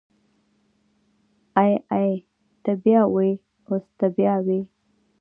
ای ای ته بيا ووی اوس ته بيا ووی.